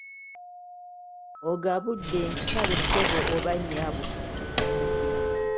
Ogabbudde nti kaale ssebo oba nnyabo.